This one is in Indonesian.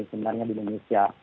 sebenarnya di indonesia